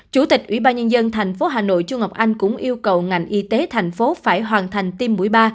chủ tịch ủy ban nhân dân thành phố hà nội chu ngọc anh cũng yêu cầu ngành y tế thành phố phải hoàn thành tiêm mũi ba